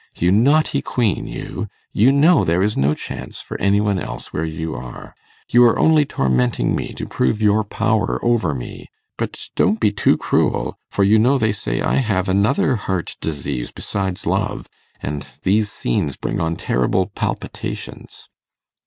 You naughty queen, you, you know there is no chance for any one else where you are. You are only tormenting me, to prove your power over me. But don't be too cruel; for you know they say I have another heart disease besides love, and these scenes bring on terrible palpitations.